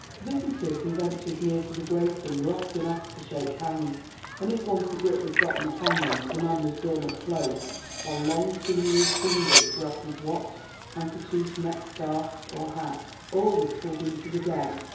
Visitors who ventured near to the grating were often asked to shake hands, and if once a grip was gotten upon them the man was drawn up close, while long, sinewy fingers grabbed his watch, handkerchief, neckscarf or hat all was pulled into the den.